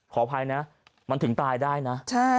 ขออภัยนะมันถึงตายได้นะ